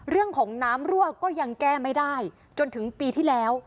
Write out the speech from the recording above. เรื่องของน้ำรั่วก็ยังแก้ไม่ได้จนถึงปีที่แล้ว